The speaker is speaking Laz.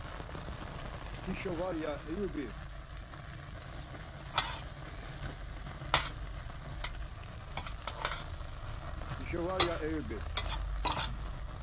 “Hişo var!” ya Eyubi.